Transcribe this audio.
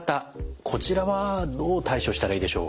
こちらはどう対処したらいいでしょう。